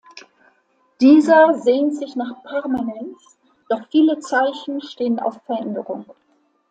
Dieser sehnt sich nach Permanenz, doch viele Zeichen stehen auf Veränderung.